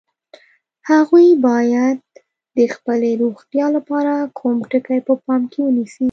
هغوی باید د خپلې روغتیا لپاره کوم ټکي په پام کې ونیسي؟